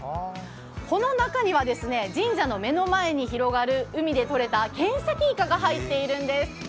この中には神社の目の前に広がる海でとれた仙崎イカが入っているんです。